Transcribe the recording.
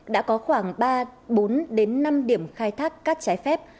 đã có khoảng ba bốn đến năm điểm khai thác cát trái phép